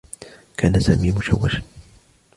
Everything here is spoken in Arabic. كان سامي مشوّشا.